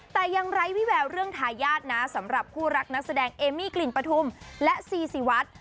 แต่ยังไร้วิแววเรื่องทายาทนะสำหรับคู่รักนักแสดงเอมี่กลิ่นปฐุมและซีซีวัด